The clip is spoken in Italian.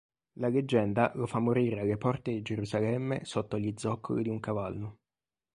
La leggenda lo fa morire alle porte di Gerusalemme sotto gli zoccoli d'un cavallo.